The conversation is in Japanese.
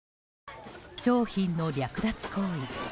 商品の略奪行為。